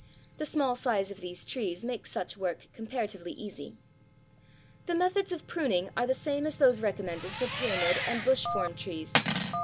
The small size of these trees makes such work comparatively easy. The methods of pruning are the same as those recommended for pyramid and bush form trees.